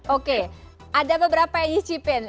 oke ada beberapa yang nyicipin